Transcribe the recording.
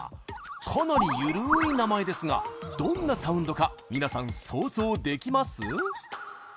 かなりゆるーい名前ですがどんなサウンドか皆さん想像できます？